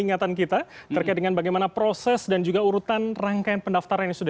ingatan kita terkait dengan bagaimana proses dan juga urutan rangkaian pendaftaran yang sudah